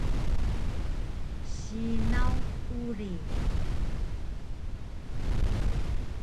sinaw uri